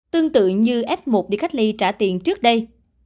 tương tự như f một đi cách ly trả tiền trước đây